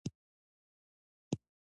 افغانستان له بادي انرژي ډک دی.